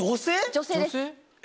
女性です。